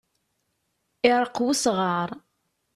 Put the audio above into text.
Iṛeqq usɣaṛ.